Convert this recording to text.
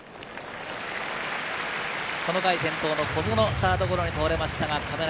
この回、先頭の小園、サードゴロに倒れました。